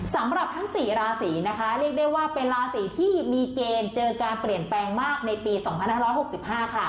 สำหรับทั้ง๔ราศีนะคะเรียกได้ว่าเป็นราศีที่มีเกณฑ์เจอการเปลี่ยนแปลงมากในปี๒๕๖๕ค่ะ